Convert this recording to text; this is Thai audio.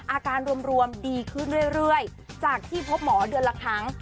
อาการรวมดีขึ้นเรื่อยจากที่พบหมอเดือนละครั้ง